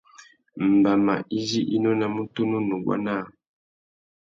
Mbama izí i nônamú tunu nuguá naā.